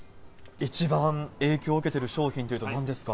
一番影響を受けている商品というとなんですか。